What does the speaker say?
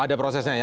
ada prosesnya ya